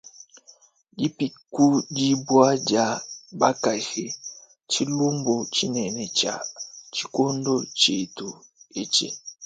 Dipikudibua dia bakaji ntshilumbu tshinene tshia tshikondo tshietu etshi.